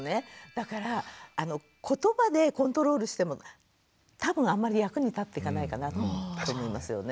だからことばでコントロールしても多分あんまり役に立っていかないかなって思いますよね。